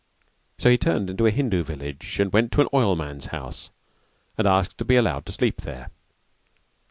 So he turned into a Hindu village and went to an oilman's house and asked to be allowed to sleep there.